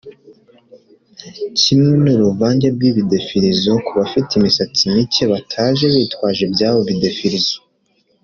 kimwe n’uruvange rw’ibidefirizo ku bafite imisatsi mike bataje bitwaje ibyabo bidefirizo